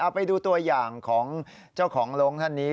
ไปดูตัวอย่างของเจ้าของลงท่านนี้